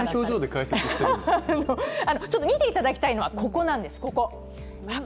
ちょっと見ていただきたいのはここなんです。